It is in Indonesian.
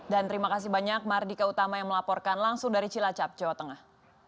dan terima kasih banyak mardika utama yang melaporkan langsung dari cilacap jawa tengah